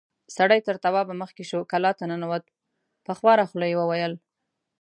سړی تر توابه مخکې شو، کلا ته ننوت، په خواره خوله يې وويل: